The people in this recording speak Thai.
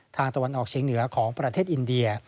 ตะวันออกเชียงเหนือของประเทศอินเดีย